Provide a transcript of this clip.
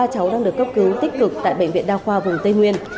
ba cháu đang được cấp cứu tích cực tại bệnh viện đa khoa vùng tây nguyên